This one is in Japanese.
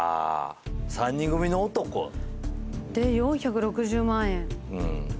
３人組の男。で４６０万円。